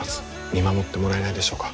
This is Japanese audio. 見守ってもらえないでしょうか？